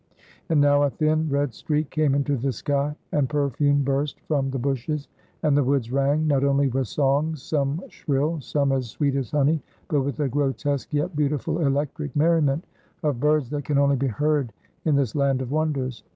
And now a thin red streak came into the sky, and perfume burst from the bushes, and the woods rang, not only with songs some shrill, some as sweet as honey, but with a grotesque yet beautiful electric merriment of birds that can only be heard in this land of wonders.